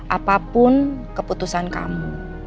apapun keputusan kamu